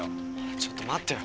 ちょっと待ってよ。